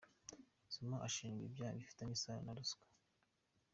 Zuma ashinjwa ibyaha bifitanye isano na Ruswa.